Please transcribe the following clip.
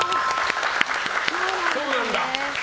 そうなんだ。